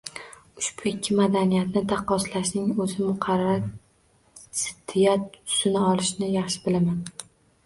Ushbu ikki madaniyatni taqqoslashning o‘zi muqarrar ziddiyat tusini olishini yaxshi bilaman